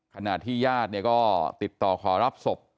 ขณะที่ญาติก็ติดต่อขอรับศพ